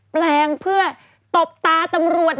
แปลงเพื่อตบตาตำรวจ